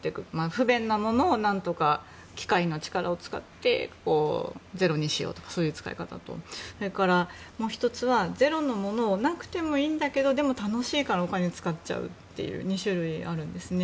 不便なものを何とか機械の力を使ってゼロにしようというそういう使い方とそれからもう１つはゼロのものをなくてもいいんだけどでも楽しいからお金を使っちゃうという２種類あるんですね。